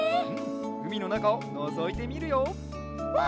うみのなかをのぞいてみるよわあ！